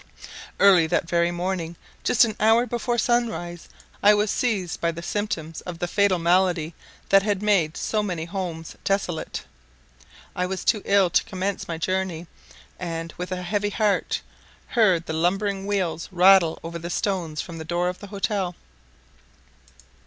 Early that very morning, just an hour before sunrise, I was seized with the symptoms of the fatal malady that had made so many homes desolate. I was too ill to commence my journey, and, with a heavy heart, heard the lumbering wheels rattle over the stones from the door of the hotel.